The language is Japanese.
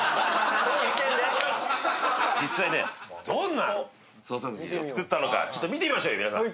実際ねどんな創作寿司を作ったのかちょっと見てみましょうよ